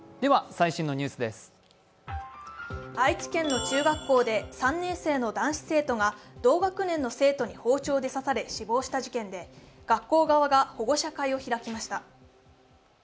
愛知県の中学校で３年生の男子生徒が同学年の生徒に包丁で刺され死亡した事件で学校側が保護者会を開きました。